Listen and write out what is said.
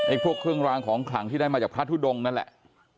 พวกเครื่องรางของขลังที่ได้มาจากพระทุดงนั่นแหละ